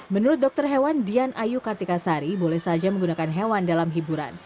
menurut dokter hewan dian ayu kartikasari boleh saja menggunakan hewan dalam hiburan